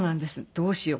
どうしよう？